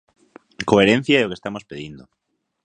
Coherencia é o que estamos pedindo.